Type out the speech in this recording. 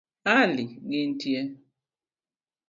Ali, gintie.